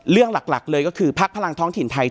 หลักเลยก็คือพักพลังท้องถิ่นไทย